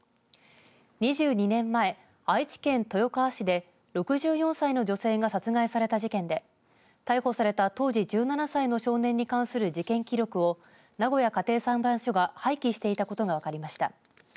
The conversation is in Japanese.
２２年前愛知県豊川市で６４歳の女性が殺害された事件で逮捕された当時１７歳の少年に関する事件記録を名古屋家庭裁判所が廃棄していたことが分かりました。